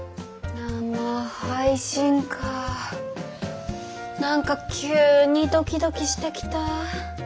生配信か何か急にドキドキしてきた。